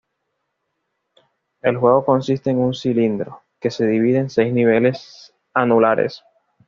El juego consiste en un cilindro, que se divide en seis niveles anulares.